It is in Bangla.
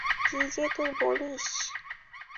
কী যে তুই বলিস!